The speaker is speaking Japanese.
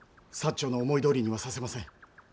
長の思いどおりにはさせません。